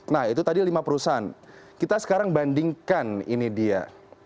nah itu tadi lima perusahaan kita sekarang bandingkan ini dia